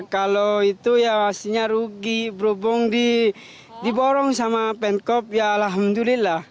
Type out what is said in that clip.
kalau itu ya pastinya rugi berhubung diborong sama penkop ya alhamdulillah